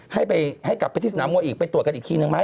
ให้กลับไปที่สนามมวยอีกไปตรวจกันอีกทีนึงไหม